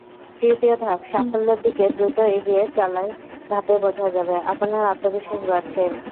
তৃতীয় ধাপ—সাফল্যের দিকে দ্রুত এগিয়ে চলাএই ধাপে বোঝা যাবে, আপনার আত্মবিশ্বাস বাড়ছে।